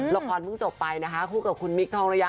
ละครเพิ่งจบไปนะคะคู่กับคุณมิคทองระยะ